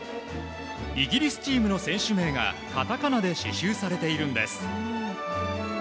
イギリスチームの選手名がカタカナで刺しゅうされているんです。